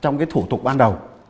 trong cái thủ tục ban đầu